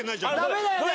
ダメだよね